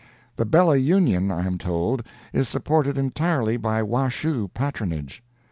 The Bella Union, I am told, is supported entirely by Washoe patronage.